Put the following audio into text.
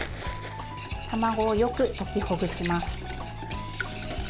卵をよく溶きほぐします。